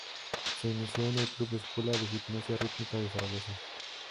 Se inició en el Club Escuela de Gimnasia Rítmica de Zaragoza.